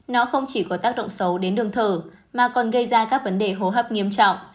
nó không chỉ có tác động xấu đến đường thở mà còn gây ra các vấn đề hồ hấp nghiêm trọng